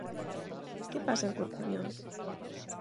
Que pasa en Corcubión?